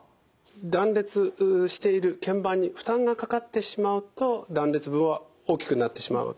断裂しているけん板に負担がかかってしまうと断裂部は大きくなってしまうわけです。